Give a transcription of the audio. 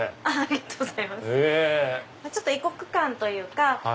ちょっと異国感というか。